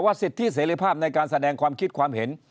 สิทธิเสรีภาพในการแสดงความคิดความเห็น